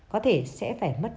có thể sẽ phải mất